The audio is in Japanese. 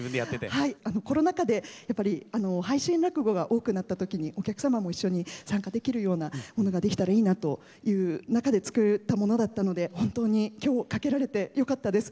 はいコロナ禍でやっぱり配信落語が多くなった時にお客様も一緒に参加できるようなものができたらいいなという中で作ったものだったので本当に今日かけられてよかったです。